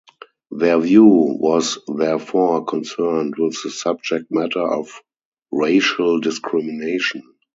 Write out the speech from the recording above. Their view was therefore concerned with the subject-matter of racial discrimination.